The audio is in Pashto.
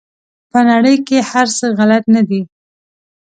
په نړۍ کې هر څه غلط نه دي.